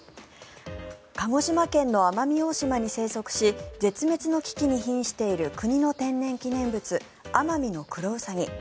鹿児島県の奄美大島に生息し絶滅の危機にひんしている国の天然記念物アマミノクロウサギ。